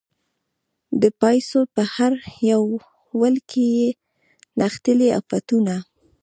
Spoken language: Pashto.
د پایڅو په هر یو ول کې یې نغښتلي عفتونه